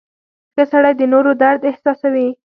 • ښه سړی د نورو درد احساسوي.